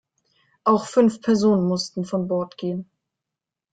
Auch fünf Personen mussten von Bord gehen.